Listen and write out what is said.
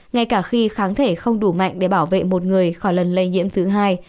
ngay cả khi kháng thể không đủ mạnh để bảo vệ một người khỏi lần lây nhiễm thứ hai